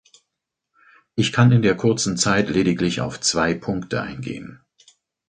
Ich kann in der kurzen Zeit lediglich auf zwei Punkte eingehen.